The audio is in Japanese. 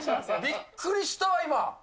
びっくりしたわ、今。